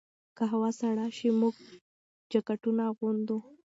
که هوا سړه شي، موږ جاکټونه اغوندو.